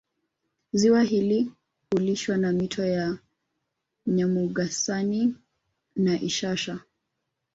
Ziwa hili hulishwa na mito ya Nyamugasani na Ishasha